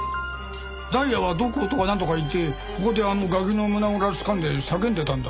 「ダイヤはどこ？」とかなんとか言ってここであのガキの胸ぐらつかんで叫んでたんだ。